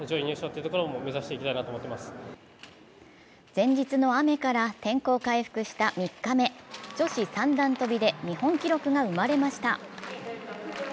前日の雨から天候回復した３日目女子三段跳びで日本記録が生まれました。